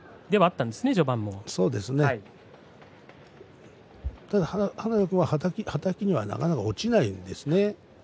ただ花田君は、はたきにはなかなか落ちないんですね。